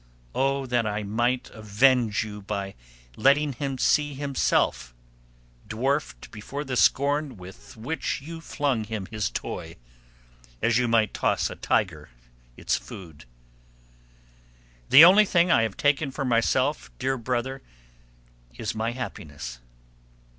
Oh! that I might avenge you by letting him see himself, dwarfed before the scorn with which you flung him his toy, as you might toss a tiger its food. The only thing I have taken for myself, dear brother, is my happiness.